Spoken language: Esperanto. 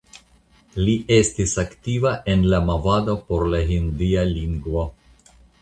Li estis aktiva en la movado por la Hindia lingvo.